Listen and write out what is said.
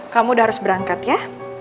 kamu udah harus berangkat ya